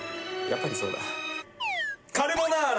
やっぱりそうだ！